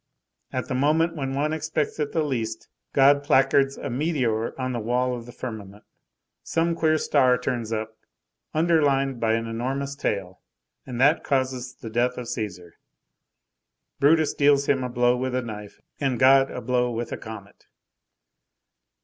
At the moment when one expects it the least, God placards a meteor on the wall of the firmament. Some queer star turns up, underlined by an enormous tail. And that causes the death of Cæsar. Brutus deals him a blow with a knife, and God a blow with a comet.